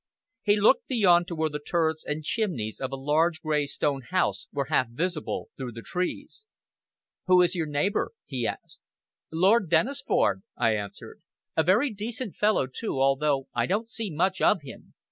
He looked beyond to where the turrets and chimneys of a large, grey, stone house were half visible through the trees. "Who is your neighbor?" he asked. "Lord Dennisford," I answered. "A very decent fellow, too, although I don't see much of him.